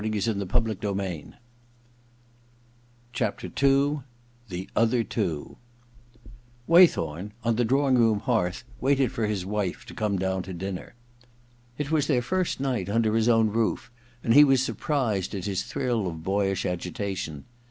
i ^ I I THE OTHER TWO 39 i t THE OTHER TWO 39 i I Waythorn, on the drawing room hearth, waited for his wife to come down to dinner. It was their first night under his own roof, and he was surprised at his thrill of boyish agitation.